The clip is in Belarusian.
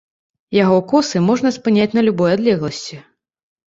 Яго косы можна спыняць на любой адлегласці.